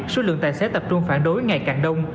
số lượng tài xế tập trung phản đối ngày càng đông